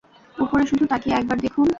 উপরে শুধু তাকিয়ে একবার দেখুন!